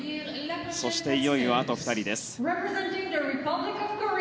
そして、いよいよあと２人です。